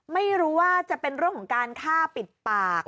ไม่รู้ว่าจะเป็นเรื่องของการฆ่าปิดปาก